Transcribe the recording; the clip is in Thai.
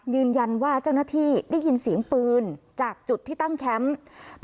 ยืนยันว่าเจ้าหน้าที่ได้ยินเสียงปืนจากจุดที่ตั้งแคมป์